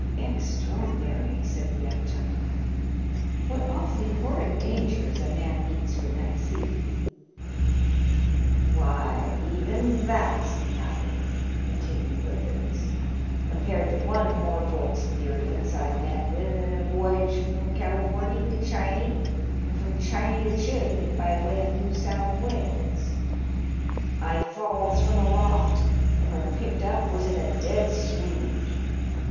"Extraordinary !'* said the young gentleman. "What awfully horrid dangers a man meets with at sea !"" Why even that's nothing," continued Perkins, "compared to one mortal expirience I met with in a woyage from Galifornie to Ghiney, and from Ghiney to Chili by way o' New South Wales. 1 falls from aloft, and when picked up was in a dead swound.